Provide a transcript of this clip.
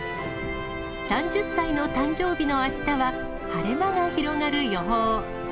３０歳の誕生日のあしたは、晴れ間が広がる予報。